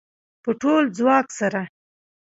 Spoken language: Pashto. په ټول ځواک سره